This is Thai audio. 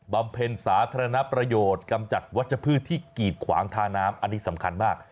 ำเพ็ญสาธารณประโยชน์กำจัดวัชพืชที่กีดขวางทาน้ำอันนี้สำคัญมาก